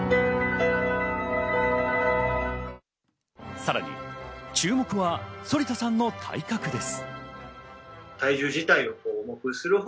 さらに注目は反田さんの体格です。